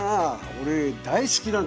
俺大好きなんだよな。